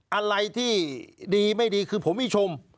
อะไรที่ดีไม่ดีคือผมไม่ชม